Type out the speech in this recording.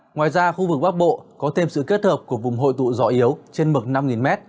ngoài ra khu vực bắc bộ có thêm sự kết hợp của vùng hội tụ gió yếu trên mực năm m